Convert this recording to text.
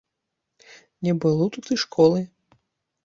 Не было тут і школы.